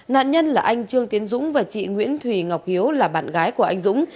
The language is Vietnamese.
nạn nhân là anh trương tiến dũng và chị nguyễn thùy ngọc hiếu là bạn gái của anh dũng